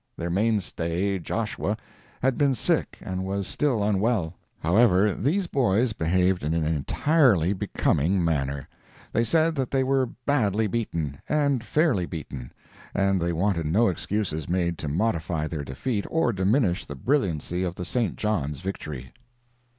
Their mainstay, Joshua, had been sick and was still unwell. However, these boys behaved in an entirely becoming manner. They said that they were badly beaten, and fairly beaten, and they wanted no excuses made to modify their defeat or diminish the brilliancy of the St. John's victory.